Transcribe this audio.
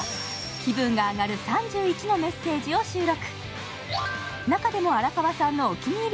気分がアガる３１のメッセージを収録。